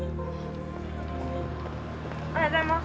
おはようございます。